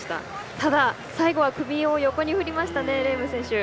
ただ、最後は首を横に振りましたレーム選手。